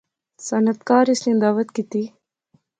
صنعتکار اس نی دعوت کیتی